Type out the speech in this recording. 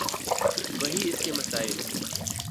وہی اس کے مسائل۔